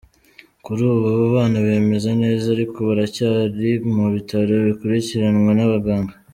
Kuri ubu abo bana bameze neza ariko baracyari mu bitaro bakurikiranwa n’abaganga.